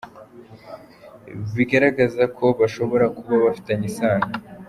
Bigaragaza ko bashobora kuba bafitanye isano”.